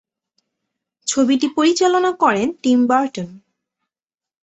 ছবিটি পরিচালনা করেন টিম বার্টন।